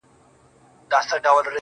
هغې به تکه سپينه خوله باندې روژه راوړې,